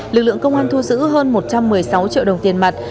lực lượng công an thu giữ hơn một trăm một mươi sáu triệu đồng tiền mặt